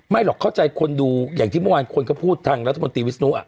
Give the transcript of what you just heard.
หรอกเข้าใจคนดูอย่างที่เมื่อวานคนก็พูดทางรัฐมนตรีวิศนุ